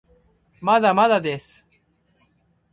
まだまだです